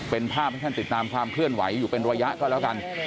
เป็นภาพให้ท่านติดตามความเคลื่อนไหวอยู่เป็นระยะก็แล้วกัน